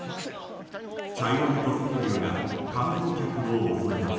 茶色い土石流が観光客を襲います。